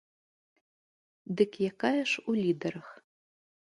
Дык якая ж у лідарах?